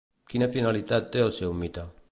Quina finalitat té el seu mite?